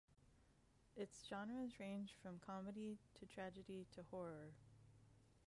Its genres range from comedy to tragedy to horror.